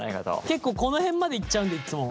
結構この辺までいっちゃうんでいっつも。